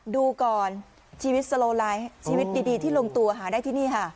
ดูก่อนชีวิตสโลไลฟ์ชีวิตดีที่ลงตัวหาได้ที่นี่ค่ะ